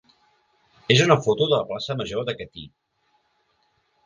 és una foto de la plaça major de Catí.